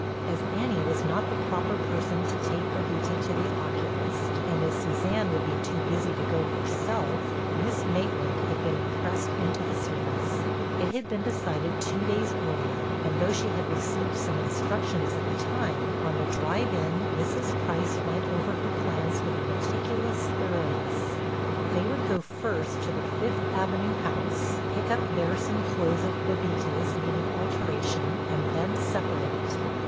As Annie was not the proper person to take Bébita to the oculist, and as Suzanne would be too busy to go herself, Miss Maitland had been impressed into the service. It had been decided two days earlier, and though she had received some instructions at the time, on the drive in, Mrs. Price went over her plans with a meticulous thoroughness. They would go first to the Fifth Avenue house, pick up there some clothes of Bébita's needing alteration, and then separate.